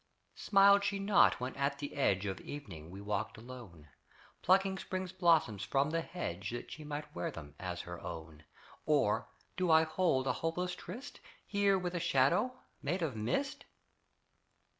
Smiled she not when at the edge Of evening we walked alone Plucking spring's blossoms from the hedge That she might wear them as her own, Or do I hold a hopeless tryst Here with a shadow, made of mist?